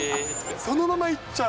そのまま行っちゃう？